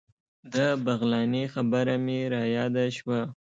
د بغلاني خبره مې رایاده شوه.